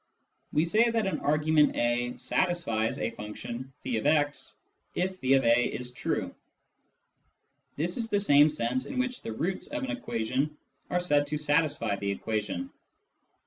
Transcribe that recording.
We say that an argument a " satisfies " a function <f>x if <f>a is true ; this is the same sense in which the roots of an equation are said to satisfy the equation.